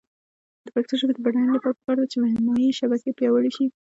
د پښتو ژبې د بډاینې لپاره پکار ده چې معنايي شبکې پیاوړې شي.